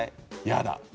「やだ」